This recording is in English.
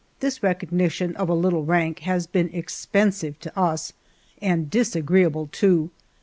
This recognition of a little rank has been expensive to us, and disagreeable too.